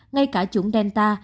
ngay cả chủng delta